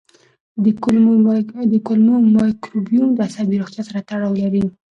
د کولمو مایکروبیوم د عصبي روغتیا سره تړاو لري.